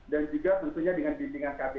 dan juga tentunya dengan pimpinan kbri